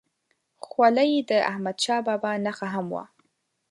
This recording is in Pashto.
خولۍ د احمدشاه بابا نښه هم وه.